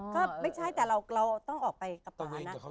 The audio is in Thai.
ก็ไม่ใช่แต่เราต้องออกไปกับป่านะ